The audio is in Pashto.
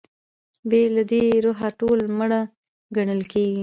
بې له دې روحه ټولنه مړه ګڼل کېږي.